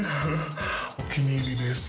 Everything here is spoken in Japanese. お気に入りです。